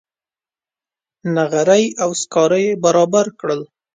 نغرۍ او سکاره یې برابر کړل.